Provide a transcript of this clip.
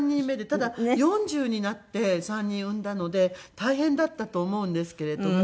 ただ４０になって３人産んだので大変だったと思うんですけれども。